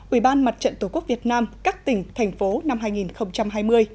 ủy ban mặt trận tổ quốc việt nam các tỉnh thành phố năm hai nghìn hai mươi